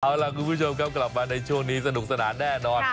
เอาล่ะคุณผู้ชมครับกลับมาในช่วงนี้สนุกสนานแน่นอน